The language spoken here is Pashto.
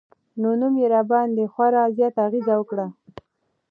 نو نوم يې راباندې خوړا زيات اغېز وکړ